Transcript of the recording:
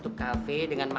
tapi ke lama